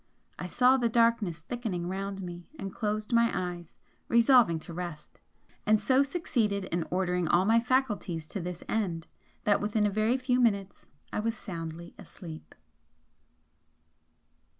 I saw the darkness thickening round me, and closed my eyes, resolving to rest and so succeeded in ordering all my faculties to this end that within a very few minutes I was soundly asleep.